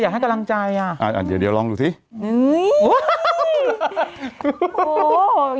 อยากให้กำลังใจอะอ่าเดี๋ยวเดี๋ยวลองดูสิอู่้ย